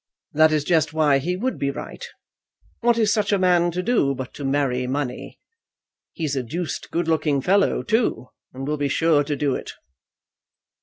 "That is just why he would be right. What is such a man to do, but to marry money? He's a deuced good looking fellow, too, and will be sure to do it."